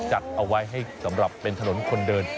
จัดเอาไว้ให้สำหรับเป็นถนนคนเดิน